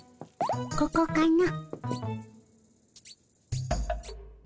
ここかの？